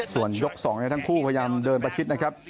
ส่วนยก๒ทั้งคู่พยายามเดินประชิดนะครับ